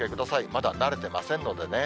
まだ慣れてませんのでね。